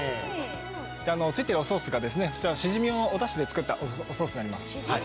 ついてるおソースがそちらしじみのお出汁で作ったおソースになります。